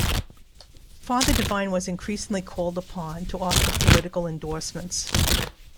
Father Divine was increasingly called upon to offer political endorsements.